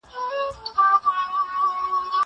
زه به د تکړښت لپاره تللي وي!!